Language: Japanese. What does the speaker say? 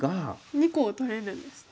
２個取れるんですね。